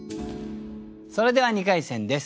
それでは２回戦です。